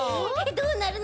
どうなるの？